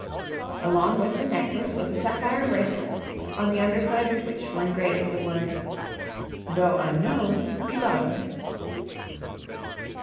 Along with the necklace was a sapphire bracelet, on the under side of which were engraved the words, "Though unknown, beloved."